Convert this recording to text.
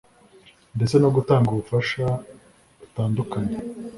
ndetse no gutanga ubufasha butandukanye